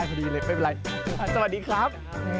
สวัสดีครับ